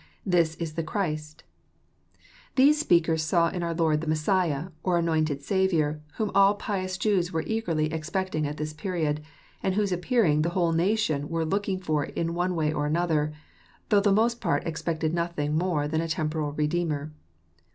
This is the Christ,'] These speakers saw in our liOrd the Messiah, or Anointed Saviour, whom all pious Jews ^were eagerly expecting at this period, and whose appearing the whole nation were looking for in one way or another, though the most part expected nothing more than a temporal Redeemer.